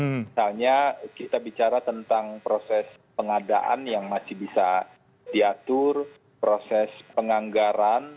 misalnya kita bicara tentang proses pengadaan yang masih bisa diatur proses penganggaran